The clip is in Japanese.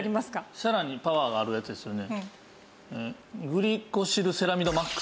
さらにパワーがあるやつですよね？